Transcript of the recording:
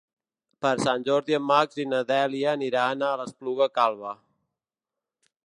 Per Sant Jordi en Max i na Dèlia aniran a l'Espluga Calba.